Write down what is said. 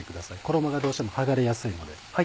衣がどうしても剥がれやすいので。